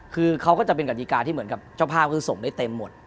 คือเค้าก็จะเป็นการิกาที่เจ้าพาคืส่งได้เต็มหมด